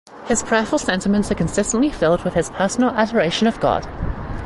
His prayerful sentiments are consistently filled with his personal adoration of God.